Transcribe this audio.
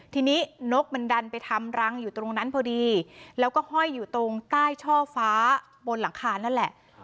ทีนี้นกมันดันไปทำรังอยู่ตรงนั้นพอดีแล้วก็ห้อยอยู่ตรงใต้ช่อฟ้าบนหลังคานั่นแหละ